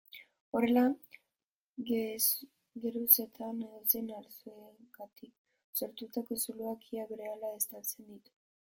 Horrela, geruzetan edozein arrazoirengatik sortutako zuloak ia berehala estaltzen ditu.